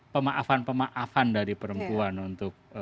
pemaafan pemaafan dari perempuan untuk